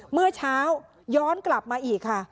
เมื่อเช้าย้อนกลับมาอีกค่ะ